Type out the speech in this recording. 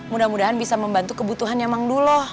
mudah mudahan bisa membantu kebutuhannya mangdulo